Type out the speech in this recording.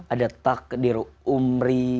ada takdir umri